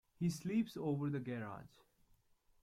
He sleeps over the garage.